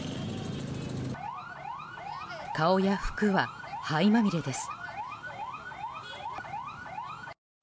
顔や服は灰まみれです。